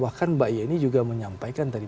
bahkan mbak e ini juga menyampaikan tadi